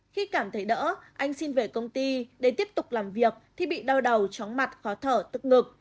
khi cảm thấy đỡ anh xin về công ty để tiếp tục làm việc thì bị đau đầu chóng mặt khó thở tức ngực